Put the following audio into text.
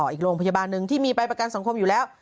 อีกโรงพยาบาลหนึ่งที่มีใบประกันสังคมอยู่แล้ว